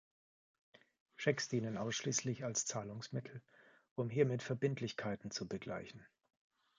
Schecks dienen ausschließlich als Zahlungsmittel, um hiermit Verbindlichkeiten zu begleichen.